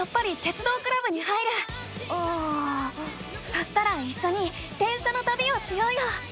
そしたらいっしょに電車のたびをしようよ！